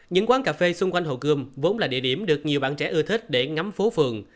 những quán cà phê xung quanh hồ gươm vốn là địa điểm được nhiều bạn trẻ ưa thích để ngắm phố phường